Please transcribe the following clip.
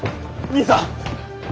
兄さん！